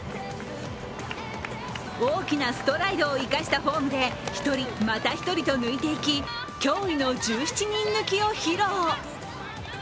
大きなストライドを生かしたフォームで１人、また１人と抜いていき驚異の１７人抜きを披露。